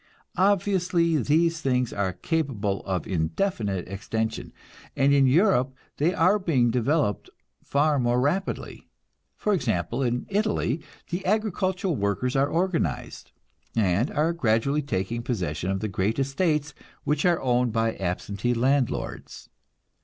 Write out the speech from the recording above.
Obviously, these things are capable of indefinite extension, and in Europe they are being developed far more rapidly. For example, in Italy the agricultural workers are organized, and are gradually taking possession of the great estates, which are owned by absentee landlords.